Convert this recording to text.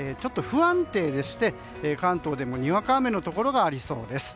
不安定でして、関東でもにわか雨のところがありそうです。